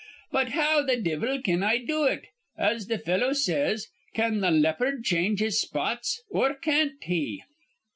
But how th' divvle can I do it? As th' fellow says, 'Can th' leopard change his spots,' or can't he?